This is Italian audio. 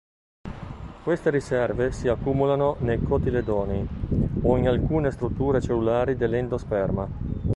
Queste riserve si accumulano nei cotiledoni o in alcune strutture cellulari dell'endosperma.